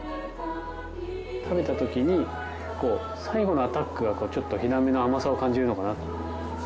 食べた時にこう最後のアタックがちょっとヒラメの甘さを感じるのかな。